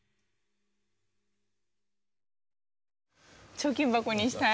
貯金箱にしたい？